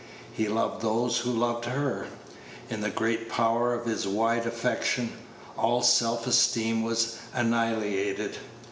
He loved those who loved her. In the great power of his wide affection, all self esteem was annihilated.